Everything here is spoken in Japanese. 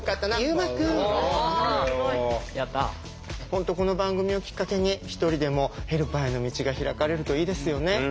本当この番組をきっかけに一人でもヘルパーへの道が開かれるといいですよね。